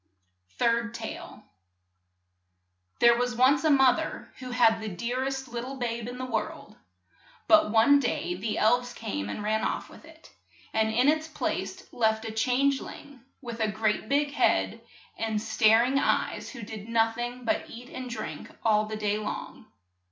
24 TALES ABOUT ELVES THIRD TALE THERE was once a moth er who had the dear est lit tle babe in the world, but one day the elves came and ran off with it, and in its place left a change ling, with a great big head and star ing eyes, who did noth ing but eat and drink all the day long.